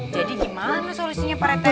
jadi gimana solusinya pak rete